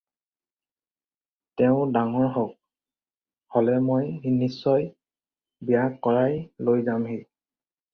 তেওঁ ডাঙৰ হওক, হ'লে মই নিশ্চয় বিয়া কৰাই লৈ যামহি।